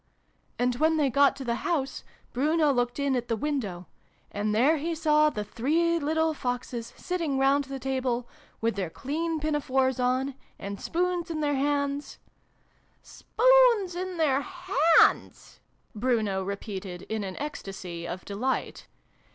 "And when they got to the house, Bruno looked in at the window. And there he saw the three little Foxes sitting round the table, with their clean pinafores on, and spoons in their hands " Spoons in their hands !" Bruno repeated in an ecstasy of delight.